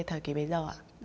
thời kỳ bây giờ